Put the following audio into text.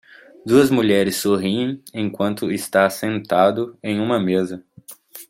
Duas mulheres sorriem enquanto está sentado em uma mesa